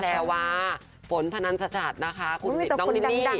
แปลว่าฝนธนันสชัดนะคะคุณน้องลิลลี่